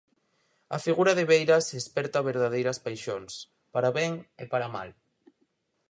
A figura de Beiras esperta verdadeiras paixóns: para ben e para mal.